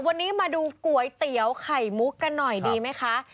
วันนี้มาดูก๋วยเตี๋ยวไข่มุกกันหน่อยดีไหมคะ